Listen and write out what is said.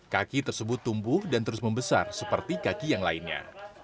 kaki tersebut tumbuh dan terus membesar seperti kaki yang lainnya